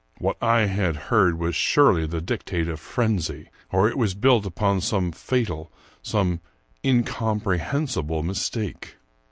What I had heard was surely the dictate of frenzy, or it was built upon some fatal, some incomprehensible mistake.